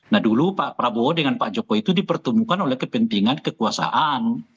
nah dulu pak prabowo dengan pak jokowi itu dipertemukan oleh kepentingan kekuasaan